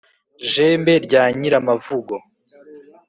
jembe rya nyiramavugo